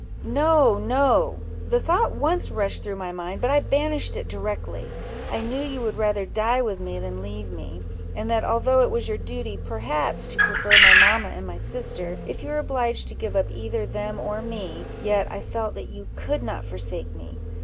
"No, no! the thought once rushed through mind, but I banished it directly. I knew you would rather die with me than leave me; and that although it was your duty, perhaps, to prefer my mamma and my sister, if you were obliged to give up either them or me, yet I felt that you could not forsake me.